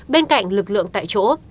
bên cạnh lực lượng tại chỗ